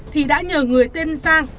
thì đã nhờ người tên giang